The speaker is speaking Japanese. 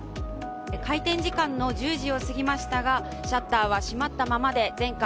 開店時間の１０時を過ぎましたがシャッターは閉まったままで全館